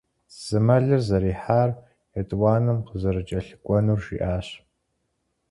Зы мэлыр зэрихьар, етӀуанэм къызэрыкӀэлъыкӀуэнур жиӀащ.